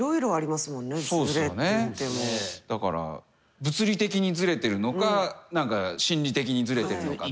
だから物理的にズレてるのかなんか心理的にズレてるのか。